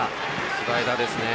スライダーですね。